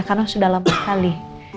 karena sudah lama sekali